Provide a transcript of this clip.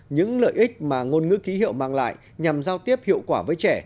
những lợi ích mà ngôn ngữ ký hiệu mang lại nhằm giao tiếp hiệu quả với trẻ